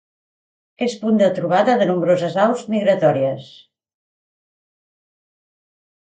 És punt de trobada de nombroses aus migratòries.